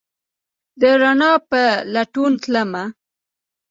د روڼا په لټون تلمه